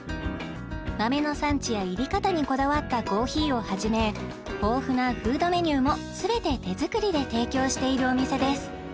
豆の産地や煎り方にこだわったコーヒーをはじめ豊富なフードメニューもすべて手作りで提供しているお店です